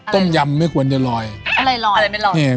ต้มยำไม่ควรจะลอยอะไรลอย